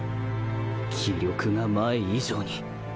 気力が前以上に